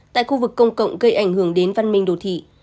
tại khu vực công cộng gây ảnh hưởng đến văn minh đồ thị